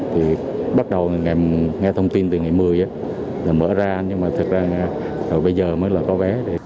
thì bắt đầu nghe thông tin từ ngày một mươi là mở ra nhưng mà thật ra bây giờ mới là có vé